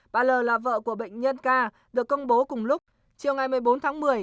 bà l là vợ của bệnh nhân k được công bố cùng lúc chiều ngày một mươi bốn tháng một mươi